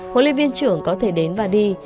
huấn luyện viên trưởng có thể đến và đi